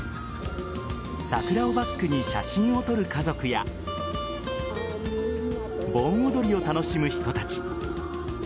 桜をバックに写真を撮る家族や盆踊りを楽しむ人たち。